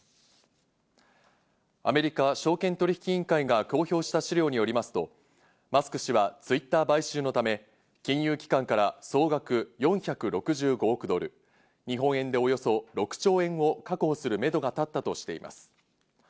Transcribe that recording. アメリカ証券取引委員会が公表した資料によりますと、マスク氏はＴｗｉｔｔｅｒ買収のため、金融機関から総額４６５億ドル、日本円でおよそ６兆円を確保するめどが立ったとしています。